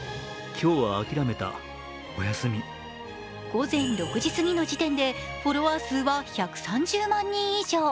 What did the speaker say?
午前６時すぎの時点でフォロワー数は１３０万人以上。